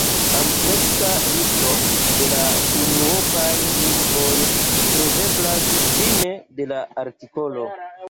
Ampleksa listo de la unuopaj lingvoj troveblas fine de la artikolo.